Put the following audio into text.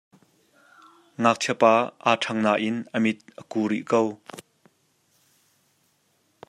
Ngakchiapa aa ṭhang nain a mit a ku rih ko.